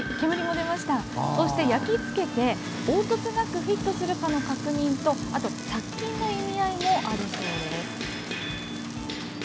そして焼き付けて凹凸なくフィットするかの確認とあと殺菌の意味合いもあるそう。